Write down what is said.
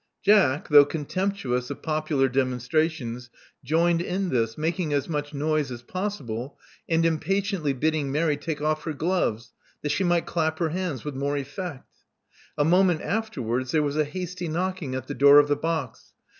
Jack, though contemptuous of popular demonstrations, joined in this, making as much noise as possible, and impatiently bidding Mary take off her gloves, that she might clap her hands with more effect. A moment afterwards, there was a hasty knocking at the door of the box.